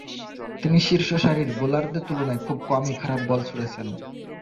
তিনি শীর্ষসারির বোলারদের তুলনায় খুব কমই খারাপ বল ছুঁড়েছেন।